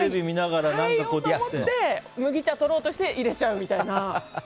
変えようと思って麦茶とろうとして入れちゃうみたいな。